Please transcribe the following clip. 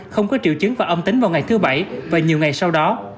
một trăm linh không có triệu chứng và âm tính vào ngày thứ bảy và nhiều ngày sau đó